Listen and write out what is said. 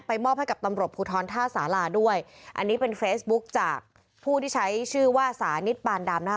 มอบให้กับตำรวจภูทรท่าสาราด้วยอันนี้เป็นเฟซบุ๊คจากผู้ที่ใช้ชื่อว่าสานิทปานดามหน้า